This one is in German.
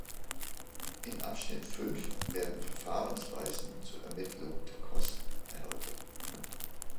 Im Abschnitt fünf werden Verfahrensweisen zu Ermittlung der Kosten erläutert.